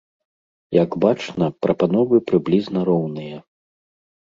Як бачна, прапановы прыблізна роўныя.